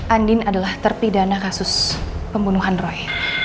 andin adalah terpidana kasus pembunuhan roy